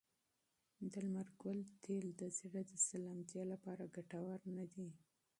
د لمر ګل تېل د زړه د سلامتیا لپاره ګټور نه دي.